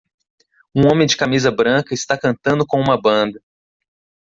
Um homem de camisa branca está cantando com uma banda.